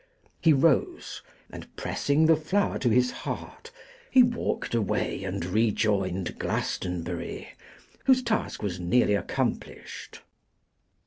He rose, and pressing the flower to his heart, he walked away and rejoined Glastonbury, whose task was nearly accomplished.